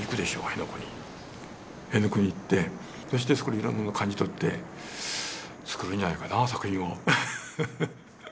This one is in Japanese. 辺野古に行ってそしてそこでいろんなもの感じ取って作るんじゃないかな作品を。